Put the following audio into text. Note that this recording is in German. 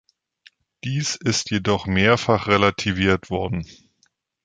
Dies ist jedoch mehrfach relativiert worden.